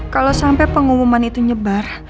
kalo sampe pengumuman itu nyebar